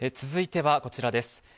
続いてはこちらです。